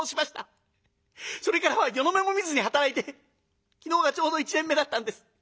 それからは夜の目も見ずに働いて昨日がちょうど一年目だったんです。